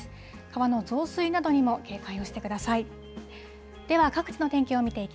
川の増水などにも警戒をしてください。